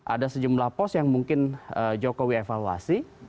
ada sejumlah pos yang mungkin jokowi evaluasi